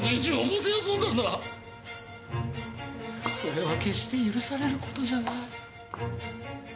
それは決して許される事じゃない。